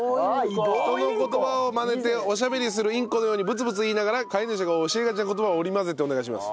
人の言葉をマネておしゃべりするインコのようにブツブツ言いながら飼い主が教えがちな言葉を織り交ぜてお願いします。